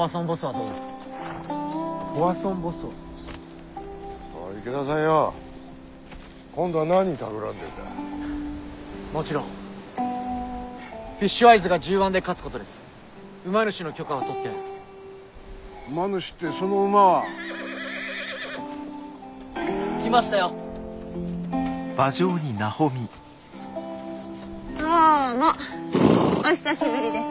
どうもお久しぶりです。